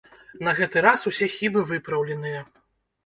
На гэты раз усе хібы выпраўленыя.